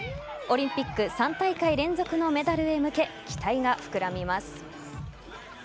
オリンピック３大会連続のメダルへ向け期待が膨らみます。